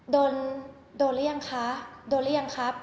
โดนโดนรึยังคะโดนรึยังครับ